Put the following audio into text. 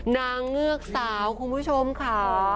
เงือกสาวคุณผู้ชมค่ะ